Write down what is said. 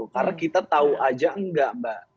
karena kita tahu aja enggak mbak